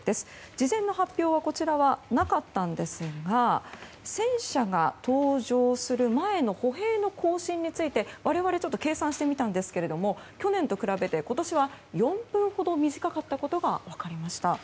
事前の発表はこちらはなかったんですが戦車が登場する前の歩兵の行進について我々、計算してみたんですが去年と比べて今年は４分ほど短かったことが分かりました。